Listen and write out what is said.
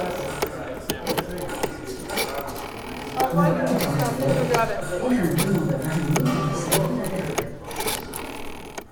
Ne parlant pas anglais, Perrin demande à Varigny de lui servir d'interprète.